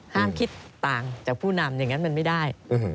คิดต่างจากผู้นำอย่างนั้นมันไม่ได้